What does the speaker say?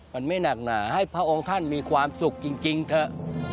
มันไม่หนักหนาให้พระองค์ท่านมีความสุขจริงเถอะ